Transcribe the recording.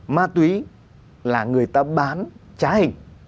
ma túy là người ta bán trái hình